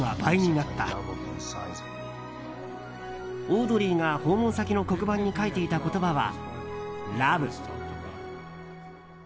オードリーが訪問先の黒板に書いていた言葉は「ＬＯＶＥ」。